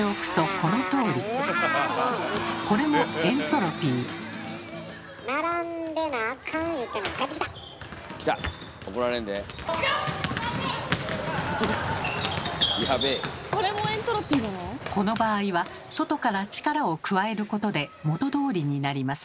この場合は外から力を加えることで元どおりになります。